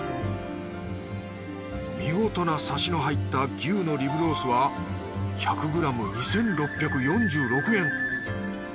見事なサシの入った牛のリブロースは１００ｇ２，６４６円。